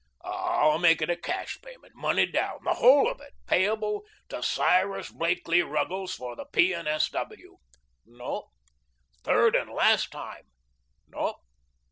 "I'll make it a cash payment, money down the whole of it payable to Cyrus Blakelee Ruggles, for the P. and S. W." "No." "Third and last time." "No."